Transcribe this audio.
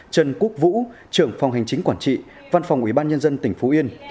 trần quốc vũ trưởng phòng hành chính quản trị văn phòng ủy ban nhân dân tỉnh phú yên